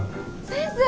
先生。